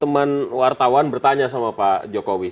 teman wartawan bertanya sama pak jokowi siapa yang jadi wakil presiden